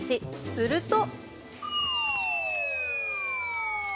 すると。